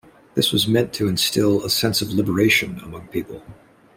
This was meant to instill a sense of Liberation among people.